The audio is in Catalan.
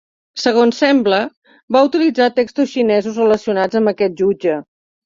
Segons sembla, va utilitzar textos xinesos relacionats amb aquest jutge.